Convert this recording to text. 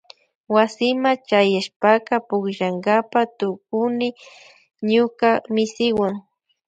Wasima chayashpaka pukllankapa tukuni ñuka misiwan.